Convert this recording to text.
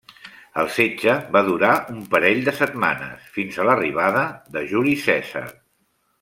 El setge va durar un parell de setmanes, fins a l'arribada de Juli Cèsar.